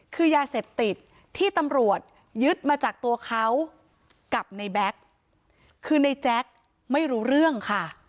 คือยาเสพติดที่ตำรวจยึดมาจากตัวเขากับในแบ็คคือในแจ๊คไม่รู้เรื่องค่ะ